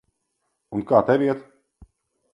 Un kā tev iet?